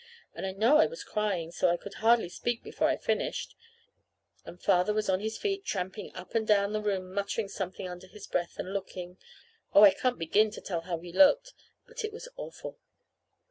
And I know I was crying so I could hardly speak before I finished; and Father was on his feet tramping up and down the room muttering something under his breath, and looking oh, I can't begin to tell how he looked. But it was awful.